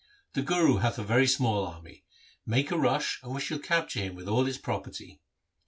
The Guru hath a very small army ; make a rush and we shall capture him with all his property.'